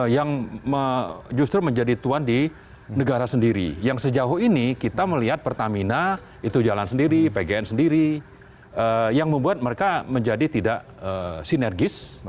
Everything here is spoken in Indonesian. yang justru menjadi tuan di negara sendiri yang sejauh ini kita melihat pertamina itu jalan sendiri pgn sendiri yang membuat mereka menjadi tidak sinergis